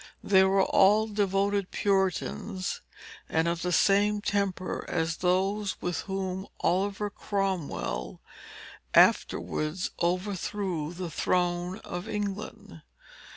They were all devoted Puritans, and of the same temper as those with whom Oliver Cromwell afterwards overthrew the throne of England.